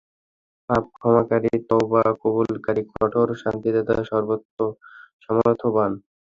পাপ ক্ষমাকারী, তাওবা কবুলকারী, কঠোর শাস্তিদাতা, সামর্থ্যবান।